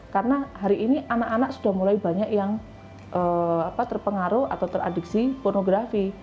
karena hari ini anak anak sudah mulai banyak yang terpengaruh atau teradiksi pornografi